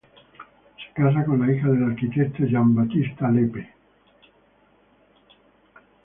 Se casa con la hija del arquitecto Jean-Baptiste Lepe.